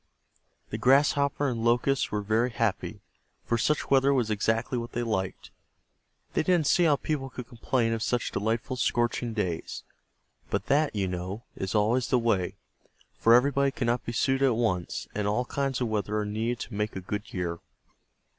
The Grasshoppers and Locusts were very happy, for such weather was exactly what they liked. They didn't see how people could complain of such delightful scorching days. But that, you know, is always the way, for everybody cannot be suited at once, and all kinds of weather are needed to make a good year.